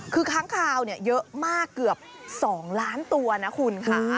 คือค้างคาวเยอะมากเกือบ๒ล้านตัวนะคุณค่ะ